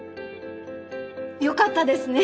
よかったですね！